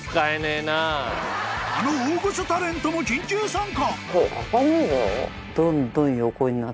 ［あの大御所タレントも緊急参加！］